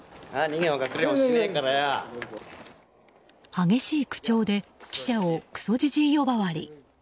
激しい口調で記者をくそじじい呼ばわり。